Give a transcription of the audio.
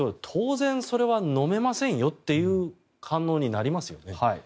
当然、それはのめませんよという反応になりますよね。